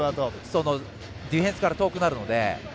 ディフェンスから遠くなるので。